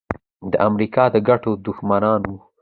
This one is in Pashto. د امریکا د ګټو دښمنان وو.